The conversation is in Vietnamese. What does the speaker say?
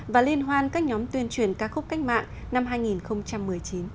và liên hoan các nhóm tuyên truyền ca khúc cách mạng năm hai nghìn một mươi chín